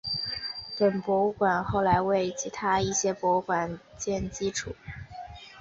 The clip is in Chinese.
本博物馆后来成为其他一些博物馆的建馆基础。